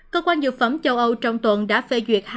cơ quan dược phẩm châu âu trong tuần đã phê duyệt